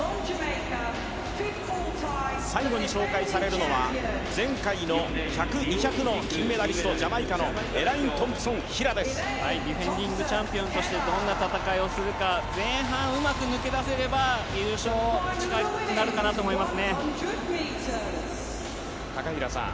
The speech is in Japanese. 最後に紹介されるのは前回の１００、２００の金メダリスト、ジャマイカのエレイン・トンプソディフェンディングチャンピオンとしてどんな戦いをするか、前半うまく抜け出せれば優勝が近づくかなと思います。